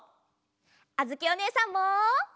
あづきおねえさんも！